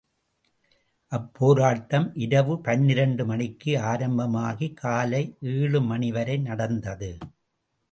அப்போராட்டம் இரவு பனிரண்டு மணிக்கு ஆரம்பமாகி காலை ஏழு மணி வரை நடந்தது.